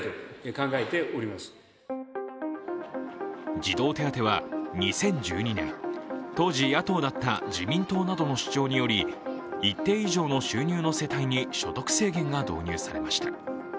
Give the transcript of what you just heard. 児童手当は２０１２年、当時、野党だった自民党などの主張により、一定以上の収入の世帯に所得制限が導入されました。